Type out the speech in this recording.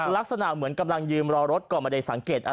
ลักษณะเหมือนกำลังยืมรอรถก่อนไปได้สังเกณฑ์